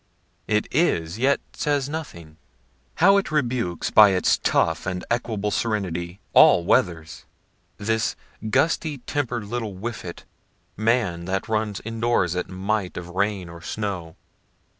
It is, yet says nothing. How it rebukes by its tough and equable serenity all weathers, this gusty temper'd little whiffet, man, that runs indoors at a mite of rain or snow.